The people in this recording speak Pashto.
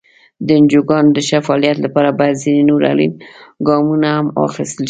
د انجوګانو د ښه فعالیت لپاره باید ځینې نور اړین ګامونه هم واخیستل شي.